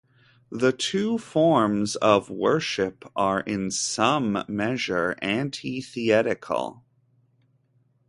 The two forms of worship are in some measure antithetical.